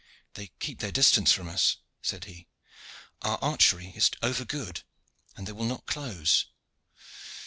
"They keep their distance from us," said he. "Our archery is over good, and they will not close.